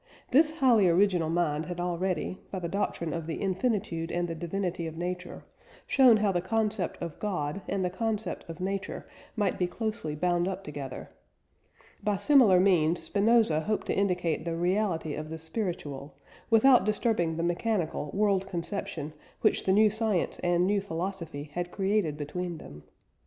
This highly original mind had already, by the doctrine of the infinitude and the divinity of nature, shown how the concept of God and the concept of nature might be closely bound up together. By similar means, Spinoza hoped to indicate the reality of the spiritual, without disturbing the mechanical world conception which the new science and new philosophy had created between them.